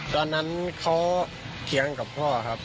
ตอนนั้นเขาเถียงกับพ่อครับ